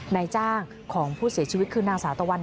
นายจ้างของผู้เสียชีวิตคือนางสาวตะวัน